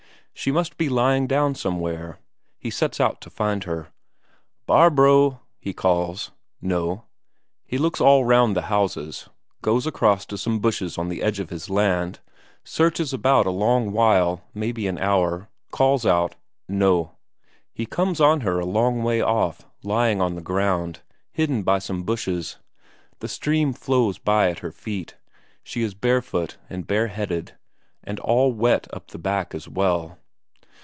She must be lying down somewhere. He sets out to find her. "Barbro!" he calls. No. He looks all round the houses, goes across to some bushes on the edge of his land, searches about a long while, maybe an hour, calls out no. He comes on her a long way off, lying on the ground, hidden by some bushes; the stream flows by at her feet, she is barefoot and bareheaded, and wet all up the back as well.